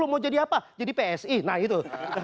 mau jadi apa jadi psi nah itu